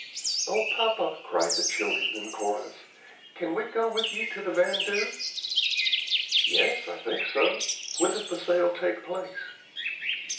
"O papa," cried the children, in chorus, "can we go with you to the vandoo?" "Yes, I think so. When does the sale take place?"